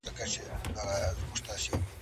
له نیکه مو اورېدلي څو کیسې د توتکیو `